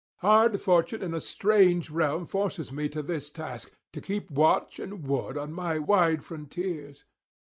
Hard fortune in a strange realm forces me to this task, to keep watch and ward on my wide frontiers.